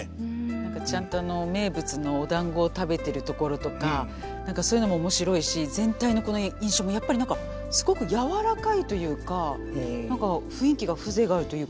何かちゃんと名物のおだんごを食べてるところとか何かそういうのも面白いし全体のこの印象もやっぱり何かすごく柔らかいというか何か雰囲気が風情があるというか。